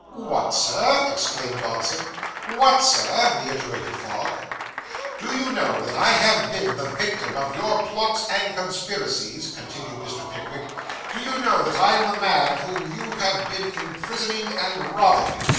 'What, sir!' exclaimed Dodson. 'What, sir!' reiterated Fogg. 'Do you know that I have been the victim of your plots and conspiracies?' continued Mr. Pickwick. 'Do you know that I am the man whom you have been imprisoning and robbing?